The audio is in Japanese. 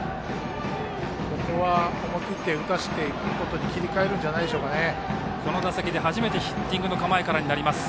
ここは思い切って打たせることに切り替えるんじゃないですかね。